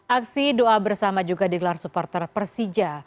aksi doa bersama juga digelar supporter persija